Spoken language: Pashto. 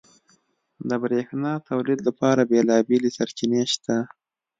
• د برېښنا تولید لپاره بېلابېلې سرچینې شته.